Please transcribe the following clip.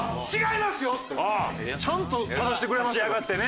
違いますよ！ってちゃんと正してくれましたよ。